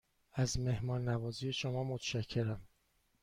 از مهمان نوازی شما متشکرم.